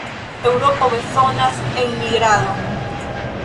Eŭropo bezonas enmigradon.